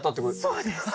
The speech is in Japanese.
そうです。